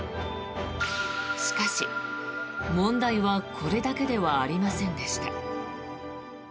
しかし、問題はこれだけではありませんでした。